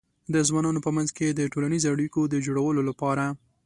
د ځوانانو په منځ کې د ټولنیزو اړیکو د جوړولو لپاره